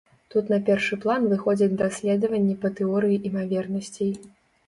Тут на першы план выходзяць даследаванні па тэорыі імавернасцей.